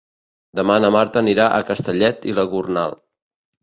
Demà na Marta anirà a Castellet i la Gornal.